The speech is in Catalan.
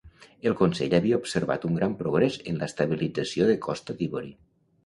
El Consell havia observat un gran progrés en l'estabilització de Costa d'Ivori.